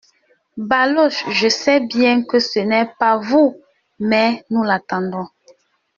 Baloche ,— Je sais bien que ce n’est pas vous ! mais nous l’attendons.